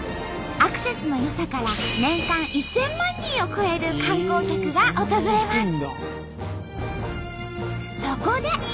アクセスの良さから年間１，０００万人を超える観光客が訪れます。